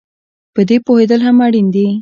په دې پوهېدل هم اړین دي